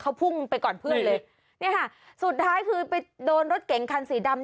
เขาพุ่งไปก่อนเพื่อนเลยเนี่ยค่ะสุดท้ายคือไปโดนรถเก๋งคันสีดำ